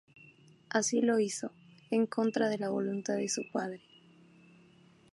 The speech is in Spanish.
Así lo hizo, en contra de la voluntad de su padre.